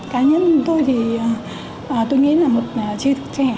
cá nhân tôi thì tôi nghĩ là một tri thức trẻ